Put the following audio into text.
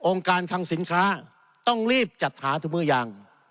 องค์การคางสินค้าต้องรีบจัดหาถุงมือยาง